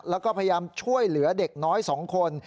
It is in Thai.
แล้วก็พยายามช่วยเหลือเด็กน้อย๒คน